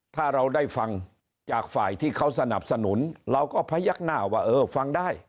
ถ้าเราได้ฟังจากฝ่ายที่เขาสนับสนุนเราก็พยักหน้าว่าเออฟังได้